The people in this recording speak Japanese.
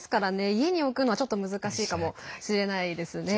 家に置くのは、ちょっと難しいかもしれないですね。